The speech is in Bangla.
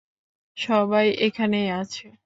সবাই এখানেই আছে।